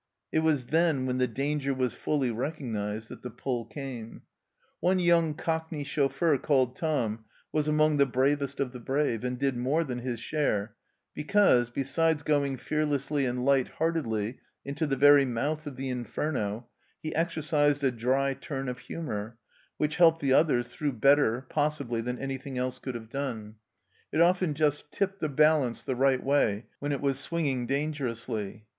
It was then, when the danger was fully recognized, that the pull came ! One young Cockney chauf feur, called Tom, was among the bravest of the brave, and did more than his share, because, be sides going fearlessly and light heartedly into the very mouth of the inferno, he exercised a dry turn of humour, which helped the others through better, possibly, than anything else could have done. It often just tipped the balance the right way when it was swinging dangerously.